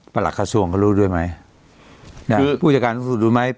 หลักกระทรวงเขารู้ด้วยไหมหรือผู้จัดการสูงสุดรู้ไหม